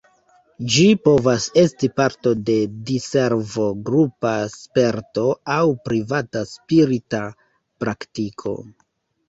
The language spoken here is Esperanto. Ĝi povas esti parto de diservo, grupa sperto aŭ privata spirita praktiko.